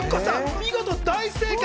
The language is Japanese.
見事大正解！